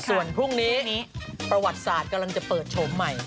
ส่วนพรุ่งนี้ประวัติศาสตร์กำลังจะเปิดโฉมใหม่